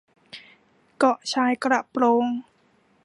เกาะชายกระโปรง